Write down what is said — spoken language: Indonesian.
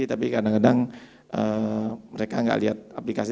tapi kadang kadang mereka nggak lihat aplikasi